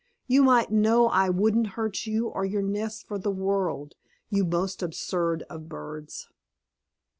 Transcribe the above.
You might know I wouldn't hurt you or your nest for the world, you most absurd of birds!"